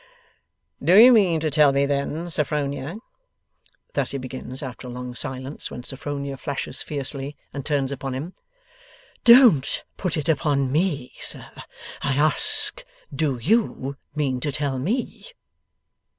'Do you mean to tell me, then, Sophronia ' Thus he begins after a long silence, when Sophronia flashes fiercely, and turns upon him. 'Don't put it upon ME, sir. I ask you, do YOU mean to tell me?